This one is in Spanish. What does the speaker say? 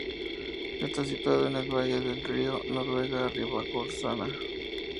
Está situado en el valle del río Noguera Ribagorzana.